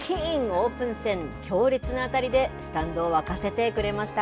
オープン戦、強烈な当たりでスタンドを沸かせてくれました。